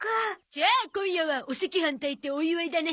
じゃあ今夜はお赤飯炊いてお祝いだね。